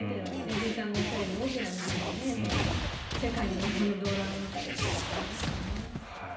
良純さんがおっしゃるように大きな日本の、世界の日本の動乱の中でということはありますよね。